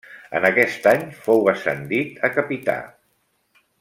En aquest any fou ascendit a capità.